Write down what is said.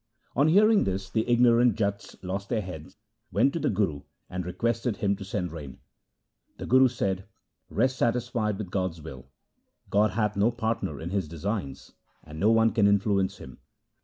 On hearing this the ignorant Jats lost their heads, went to the Guru, and requested him to send rain. The Guru said, ' Rest satisfied with God's will. God hath no partner in His designs, and no one can influence Him.'